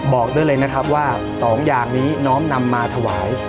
บอกได้เลยนะครับว่า๒อย่างนี้น้อมนำมาถวาย